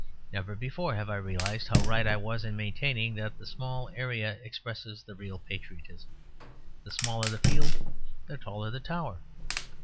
Never before have I realised how right I was in maintaining that the small area expresses the real patriotism: the smaller the field the taller the tower.